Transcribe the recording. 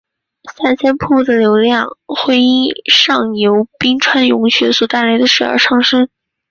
夏天瀑布的流量会因上游冰川融雪所带来的水而上升。